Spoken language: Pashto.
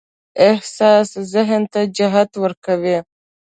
احساس ذهن ته جهت ورکوي.